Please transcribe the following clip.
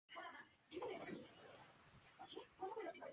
Publicó libros como"La economía de tu vida" y la "Economía descubierta".